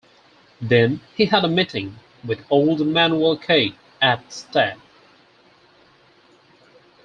Then, he had a meeting with old Manuel Caeg at Sta.